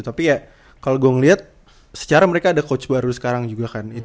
tapi ya kalau gue ngeliat secara mereka ada coach baru sekarang juga kan